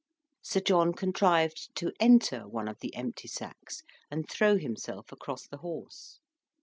Sir John contrived to enter one of the empty sacks and throw himself across the horse.